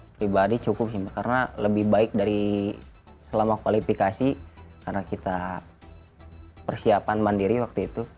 pribadi cukup sih mbak karena lebih baik dari selama kualifikasi karena kita persiapan mandiri waktu itu